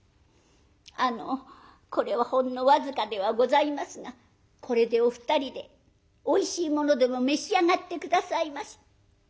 あのこれはほんの僅かではございますがこれでお二人でおいしいものでも召し上がって下さいまし。